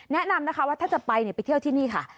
แนะนำนะคะว่าถ้าจะไปไปเที่ยวที่นี่ค่ะ